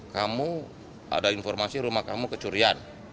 kamu ada informasi rumah kamu kecurian